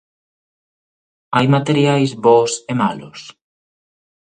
Hai materiais bos e malos?